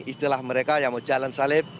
istilah mereka yang mau jalan salib